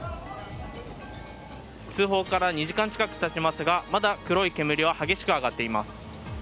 通報から２時間近くたちますがまだ黒い煙は激しく上がっています。